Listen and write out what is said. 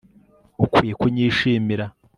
Ukwiye kunyishimira